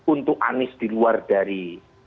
untuk anies di luar dari